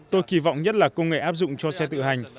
tôi kỳ vọng nhất là công nghệ áp dụng cho xe tự hành